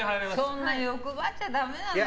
そんな欲張っちゃダメなのよ